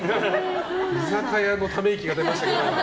居酒屋のため息が出ましたけど。